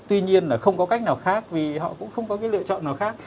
tuy nhiên là không có cách nào khác vì họ cũng không có cái lựa chọn nào khác